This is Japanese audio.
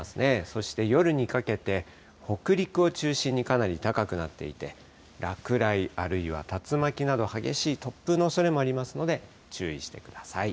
そして夜にかけて、北陸を中心にかなり高くなっていて、落雷あるいは竜巻など、激しい突風のおそれもありますので注意してください。